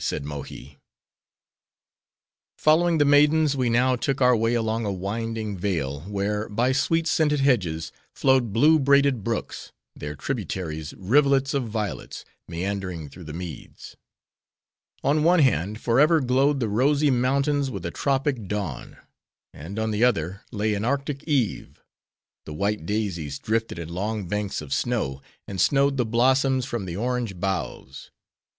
said Mohi. Following the maidens, we now took our way along a winding vale; where, by sweet scented hedges, flowed blue braided brooks; their tributaries, rivulets of violets, meandering through the meads. On one hand, forever glowed the rosy mountains with a tropic dawn; and on the other; lay an Arctic eve;—the white daisies drifted in long banks of snow, and snowed the blossoms from the orange boughs.